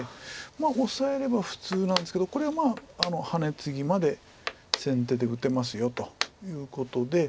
まあオサえれば普通なんですけどこれハネツギまで先手で打てますよということで。